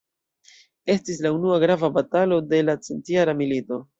Estis la unua grava batalo de la Centjara milito.